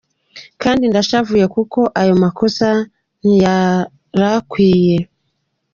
kandi ndashavuye kuko ayo makosa ntiyarakwiye.